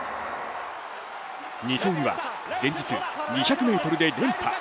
２走には前日、２００ｍで連覇。